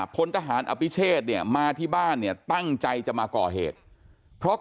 พลทหารอภิเชษเนี่ยมาที่บ้านเนี่ยตั้งใจจะมาก่อเหตุเพราะ